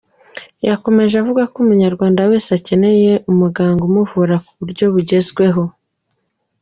Yakomeje avuga ko Umunyarwanda wese akeneye umuganga umuvura ku buryo bugezweho.